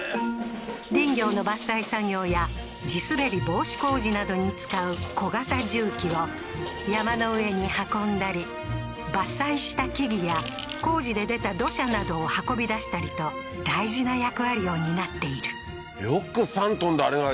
林業の伐採作業や地滑り防止工事などに使う小型重機を山の上に運んだり伐採した木々や工事で出た土砂などを運び出したりと大事な役割を担っているよく３ｔであれが